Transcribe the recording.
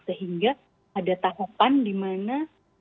sehingga ada tahapan dimana